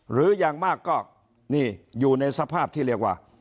หรืออย่างมากก็นี่อยู่ในสภาพที่เรียกว่า